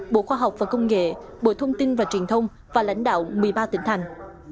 bộ khoa học và công nghệ bộ thông tin và truyền thông và lãnh đạo một mươi ba tỉnh thành